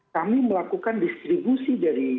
kami melakukan distribusi dari